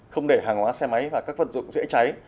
không để hàng hóa xe máy và các vật dụng dễ cháy